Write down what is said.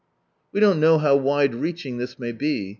We don't know how wide reaching this may be.